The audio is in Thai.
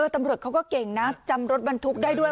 ตำรวจเขาก็เก่งนะจำรถบรรทุกได้ด้วย